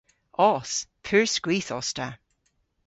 Os. Pur skwith os ta.